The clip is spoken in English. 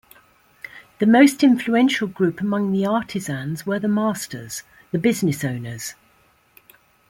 The most influential group among the artisans were the masters, the business owners.